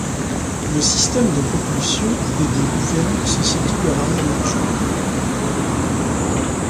Le système de propulsion et de gouvernes se situe à l’arrière de l’engin.